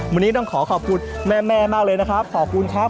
วันนี้ต้องขอขอบคุณแม่มากเลยนะครับ